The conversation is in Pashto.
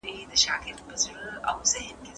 د خېټې اضافي غوړ روغتیا ته خطر پېښوي.